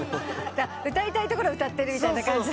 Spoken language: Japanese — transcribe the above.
歌いたいところを歌ってるみたいな感じ。